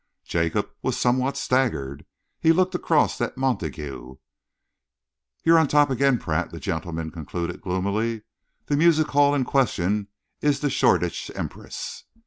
Jacob was somewhat staggered. He looked across at Montague. "You're on top again, Pratt," that gentleman conceded gloomily. "The music hall in question is the Shoreditch 'Empress.'"